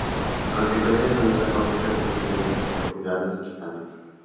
En consecuencia, son los acordes que requieren de un especial cuidado en su tratamiento.